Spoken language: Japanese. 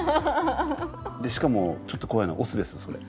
でしかもちょっと怖いのが雄ですそれ。